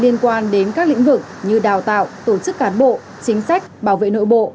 liên quan đến các lĩnh vực như đào tạo tổ chức cán bộ chính sách bảo vệ nội bộ